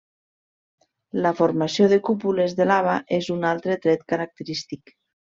La formació de cúpules de lava és un altre tret característic.